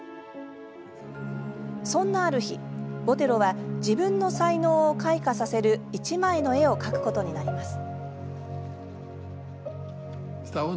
そんなある日、ボテロは自分の才能を開花させる１枚の絵を描くことになります。